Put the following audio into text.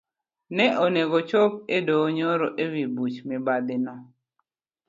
Ne onego ochop edoho nyoro ewi buch mibadhino.